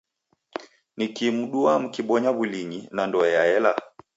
Niki mduaa mukibonya w'ulinyi na ndoe yaela?